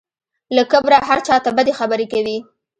له کبره هر چا ته بدې خبرې کوي.